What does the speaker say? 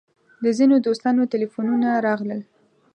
د ځینو دوستانو تیلفونونه راغلل.